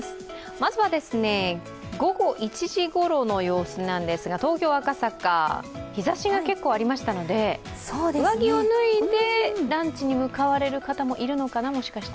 まずは午後１時ごろの様子なんですが、東京・赤坂、日ざしが結構ありましたので、上着を脱いでランチに向かわれる方もいるのかな、もしかして。